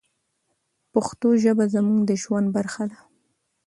پښتو ژبه زموږ د ژوند برخه ده.